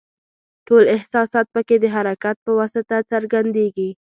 ټول احساسات پکې د حرکت په واسطه څرګندیږي.